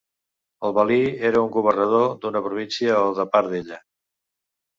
El valí era el governador d'una província o de part d'ella.